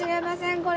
これ？